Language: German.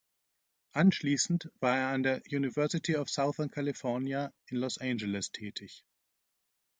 Anschließend war er an der University of Southern California in Los Angeles tätig.